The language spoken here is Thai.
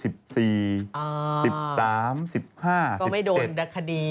ก็ไม่โดนคดี